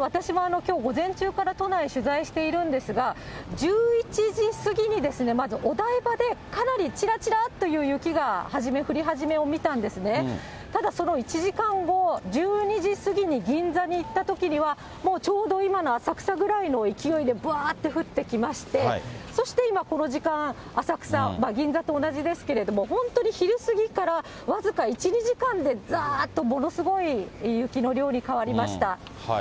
私もきょう午前中から都内取材しているんですが、１１時過ぎにまずお台場でかなり、ちらちらっという雪が初め、降り始めを見たんですね、ただその１時間後、１２時過ぎに銀座に行ったときには、もうちょうど今の浅草ぐらいの勢いでぶわーっと降ってきまして、そして今、この時間、浅草、銀座と同じですけれども、本当に昼過ぎから僅か１、２時間で、ざっとものすごい雪の量に変わりました。